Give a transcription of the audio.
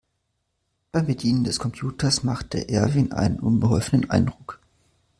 Beim Bedienen des Computers machte Erwin einen unbeholfenen Eindruck.